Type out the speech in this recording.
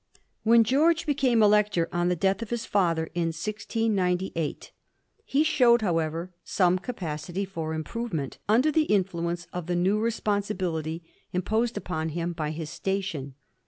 When George became Elector on the death of his father in 1698, he showed, however, some capacity for improvement, under the influence of the new responsibility imposed upon him by his station.